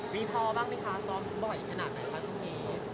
ทอบ้างไหมคะซ้อมบ่อยขนาดไหนคะช่วงนี้